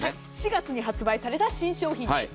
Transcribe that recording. ４月に発売された新商品です。